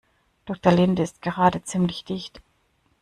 Doktor Linde ist gerade ziemlich dicht.